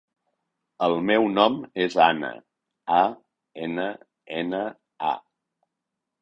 El meu nom és Anna: a, ena, ena, a.